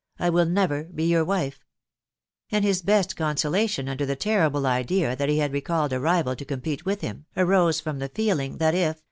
..." I neves will be your, wife;" and his best consolation under the terrible idea dial he*had re called a rival to compete with him, arose from feeling: that if